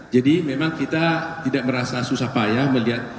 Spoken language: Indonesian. jadi memang kita tidak merasa susah payah melihat